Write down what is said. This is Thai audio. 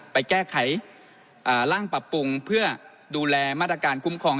ไปแก้ไขร่างปรับปรุงเพื่อดูแลมาตรการคุ้มครอง